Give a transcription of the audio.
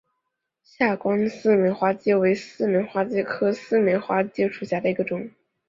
下关东似美花介为似美花介科似美花介属下的一个种。